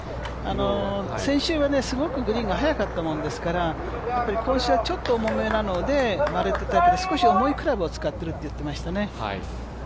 先週はすごくグリーンが速かったものですから今週はちょっと重めなので、マレットタイプで少し重いクラブを使っていると言っていましたね。